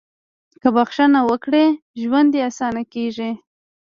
• که بښنه وکړې، ژوند دې اسانه کېږي.